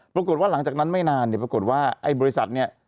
ปรากฏว่าหลังจากนั้นไม่นานเนี่ยปรากฏว่าไอ้บริษัทเนี่ย